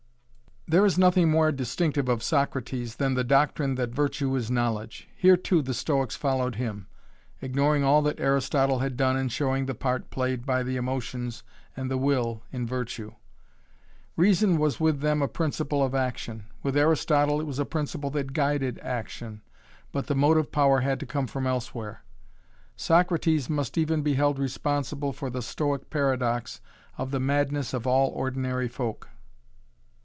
There is nothing more distinctive of Socrates than the doctrine that virtue is knowledge. Here too the Stoics followed him, ignoring all that Aristotle had done in showing the part played by the emotions and the will in virtue. Reason was with them a principle of action; with Aristotle it was a principle that guided action, but the motive power had to come from elsewhere. Socrates must even be held responsible for the Stoic paradox of the madness of all ordinary folk.